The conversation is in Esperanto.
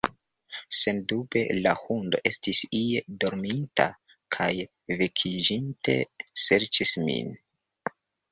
Sendube la hundo estis ie dorminta kaj vekiĝinte, serĉis min.